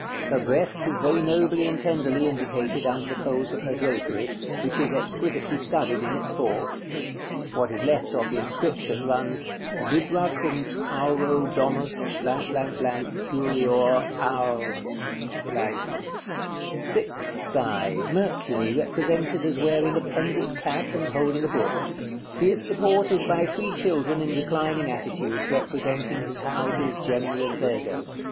Her breast is very nobly and tenderly indicated under the folds of her drapery, which is exquisitely studied in its fall. What is left of the inscription, runs: "LIBRA CUM TAURO DOMUS PURIOR AUR *."§ CXIII. Sixth side. Mercury, represented as wearing a pendent cap, and holding a book: he is supported by three children in reclining attitudes, representing his houses Gemini and Virgo.